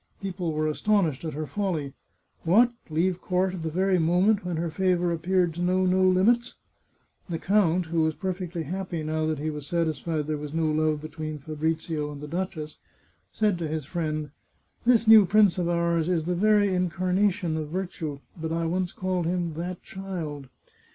People were astonished at her folly. " What ! Leave court at the very moment when her favour appeared to know no limits !" The count, who was perfectly happy now that he was satisfied there was no love between Fabrizio and the duchess, said to his friend :" This new prince of ours is the very in carnation of virtue, but I once called him ' that child.'